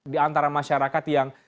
di antara masyarakat yang